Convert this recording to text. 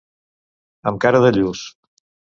Amb cara de lluç.